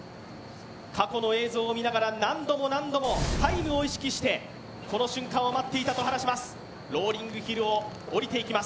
過去の映像を見ながら何度も何度もタイムを意識してこの瞬間を待っていたと話します、ローリングヒルを降りていきます。